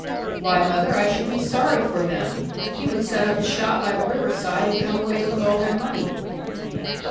'Why, mother, I should be sorry for them. He would set up a shop by the river side, and come away with all their money.'